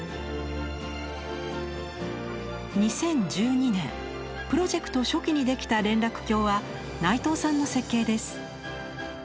２０１２年プロジェクト初期にできた連絡橋は内藤さんの設計です。